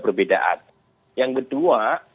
perbedaan yang kedua